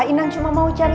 inang cuma mau cari